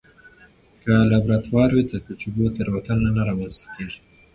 که لابراتوار وي، د تجربو تېروتنه نه رامنځته کېږي.